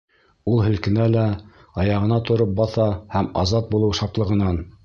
Ул һелкенә лә аяғына тороп баҫа һәм азат булыу шатлығынан: